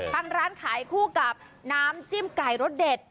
ทางร้านขายคู่กับน้ำจิ้มไก่รสเด็ด